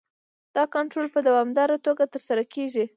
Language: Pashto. دا کنټرول په دوامداره توګه ترسره کیږي.